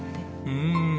うん！